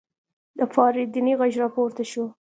د پارېدنې غږ راپورته شو.